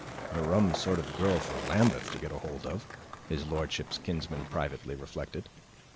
'" "A rum sort of girl for Lambeth to get hold of!" his lordship's kinsman privately reflected.